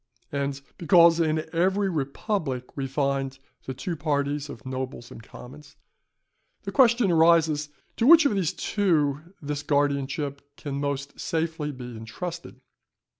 And because in every republic we find the two parties of nobles and commons, the question arises, to which of these two this guardianship can most safely be entrusted.